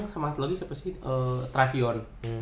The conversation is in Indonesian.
sama satu lagi siapa sih travion